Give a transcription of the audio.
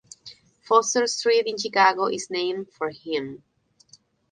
Foster Street in Chicago is named for him.